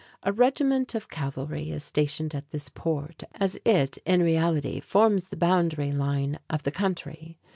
A regiment of cavalry is stationed at this port, as it in reality forms the boundary line of the country.